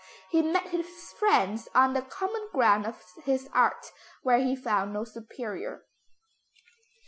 He met his friends on the common ground of his art, where he found no superior.